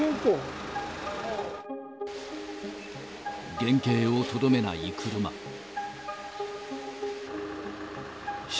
原形をとどめない車。